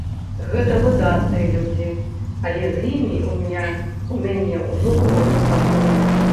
Гэта выдатныя людзі, але з імі ў мяне ўжо было супрацоўніцтва.